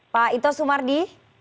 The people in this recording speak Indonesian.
pak ito sumardi